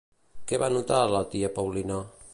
Què va notar la tia Paulina?